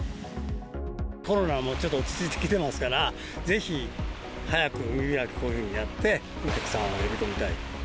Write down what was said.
コロナもちょっと落ち着いてきてますから、ぜひ、早く海開き、こういうふうにやって、お客さんを呼び込みたい。